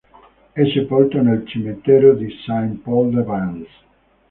È sepolto nel cimitero di Saint-Paul-de-Vence.